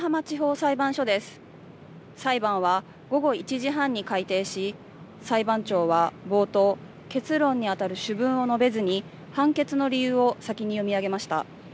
裁判は午後１時半に開廷し裁判長は冒頭、結論にあたる主文を述べずに判決の理由を先に読み上げました。